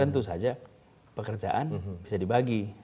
dan itu saja pekerjaan bisa dibagi